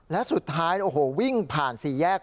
และสุดท้ายวิ่งผ่านสี่แยก